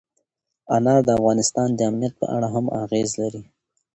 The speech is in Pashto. انار د افغانستان د امنیت په اړه هم اغېز لري.